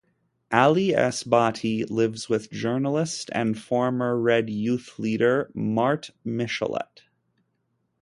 Ali Esbati lives with journalist and former Red youth leader Marte Michelet.